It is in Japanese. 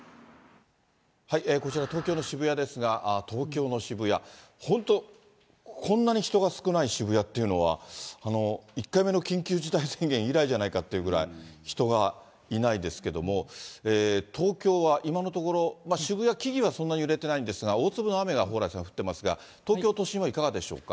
こちら、東京の渋谷ですが、東京の渋谷、本当、こんなに人が少ない渋谷っていうのは、１回目の緊急事態宣言以来じゃないかっていうぐらい、人がいないですけども、東京は今のところ、渋谷、木々はそんなに揺れてないんですが、大粒の雨が蓬莱さん、降ってますが、東京都心はいかがでしょうか。